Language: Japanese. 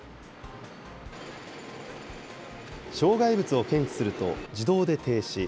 障害物を検知すると自動で停止。